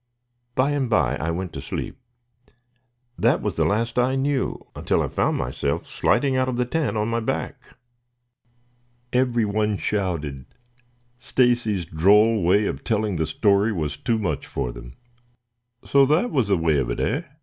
"By and by I went to sleep. That was the last I knew until I found myself sliding out of the tent on my back." Everyone shouted. Stacy's droll way of telling the story was too much for them. "So that was the way of it, eh?"